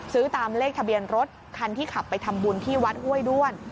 ซื้อตามเลขทะเบียนรถคันที่ขับไปทำบุญที่วัดห้วยด้วน